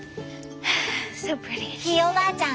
ひいおばあちゃん